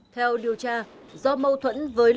theo điều tra do mâu thuẫn với lực lượng